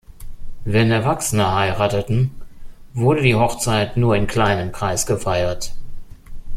Wenn Erwachsene heirateten, wurde die Hochzeit nur in kleinem Kreis gefeiert.